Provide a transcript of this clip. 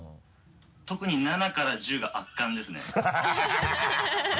特に７から１０が圧巻ですね。